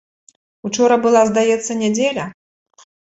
Учора была, здаецца, нядзеля?